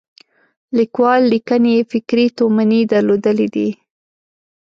لیکوال لیکنې یې فکري تومنې درلودلې دي.